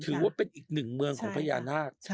ถือว่าเป็นอีกหนึ่งเมืองของพญานาค